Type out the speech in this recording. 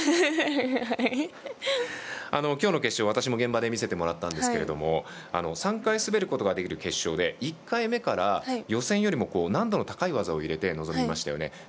きょうの決勝、私も現場で見せてもらったんですけど３回、滑ることができる決勝で１回目から予選よりも難度の高い技を入れて臨みましたよね。